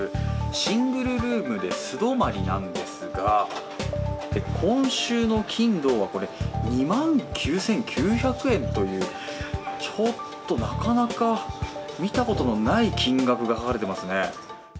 シングルルームで素泊まりなんですが、今週の金、土はこれ２万９９００円というちょっとなかなか見たことのない金額が書かれていますね。